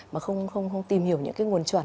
mà không tìm hiểu những cái nguồn chuẩn